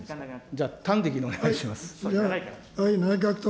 じゃあ、端的にお願いします。